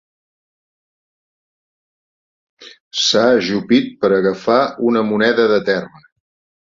S'ha ajupit per agafar una moneda de terra.